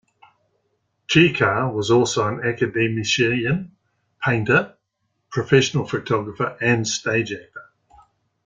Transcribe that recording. Jichkar was also an academician, painter, professional photographer, and stage actor.